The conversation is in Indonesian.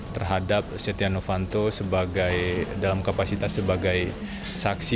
terhadap setia novanto dalam kapasitas sebagai saksi